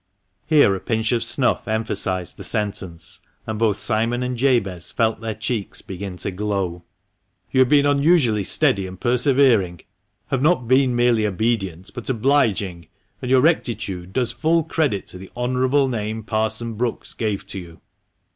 Here a pinch of snuff emphasised the sentence, and both Simon and Jabez felt their cheeks begin to glow. "You have been unusually steady and persevering — have not been merely obedient, but obliging, and your rectitude does full credit to the * honourable ' name Parson Brookes gave to you."